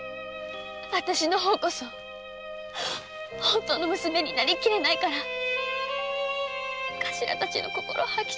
あたしの方こそ本当の娘になりきれないからカシラたちの心を履き違えてしまうんです。